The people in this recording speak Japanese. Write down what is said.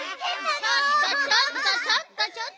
ちょっとちょっとちょっとちょっと。